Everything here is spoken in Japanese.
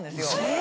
え！